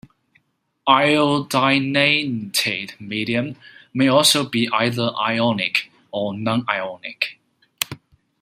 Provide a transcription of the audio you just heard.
Iodinated medium may also be either ionic or non-ionic.